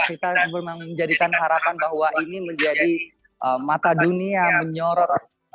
kita menjadikan harapan bahwa ini menjadi mata dunia menyorot